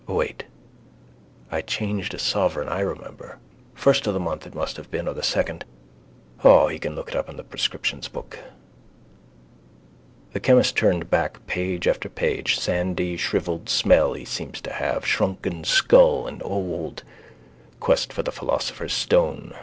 Wait. I changed a sovereign I remember. First of the month it must have been or the second. O, he can look it up in the prescriptions book. The chemist turned back page after page. Sandy shrivelled smell he seems to have. Shrunken skull. And old. Quest for the philosopher's stone.